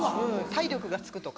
体力がつくとか。